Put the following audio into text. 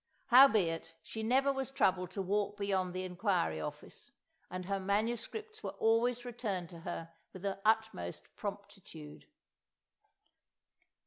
Howbeit, she never was troubled to walk beyond the inquiry office, and her MSS. were always returned to her with the utmost promptitude.